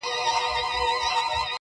• ه تا خو تل تر تله په خپگان کي غواړم.